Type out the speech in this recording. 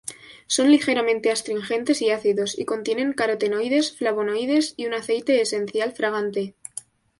Son ligeramente astringentes y ácidos, y contienen carotenoides, flavonoides y un aceite esencial fragante.